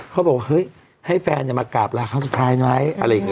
เขาบอกเฮ้ยให้แฟนอย่ามากราบลาครั้งสุดท้ายไหม